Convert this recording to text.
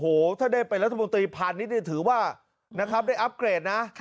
โห้ถ้าได้เป็นรัฐบอลตรี๑๐๐๐นี่ถือว่าได้อัปเกรดนะ